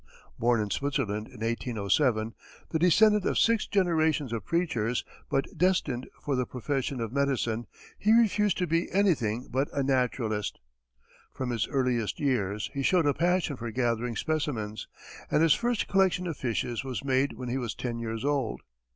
Born in Switzerland in 1807, the descendent of six generations of preachers, but destined for the profession of medicine, he refused to be anything but a naturalist. From his earliest years, he showed a passion for gathering specimens, and his first collection of fishes was made when he was ten years old.